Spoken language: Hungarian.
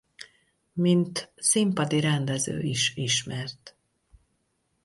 Mint színpadi rendező is ismert.